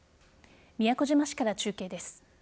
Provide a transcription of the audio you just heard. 宮古島市から中継です。